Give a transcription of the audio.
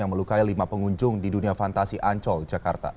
yang melukai lima pengunjung di dunia fantasi ancol jakarta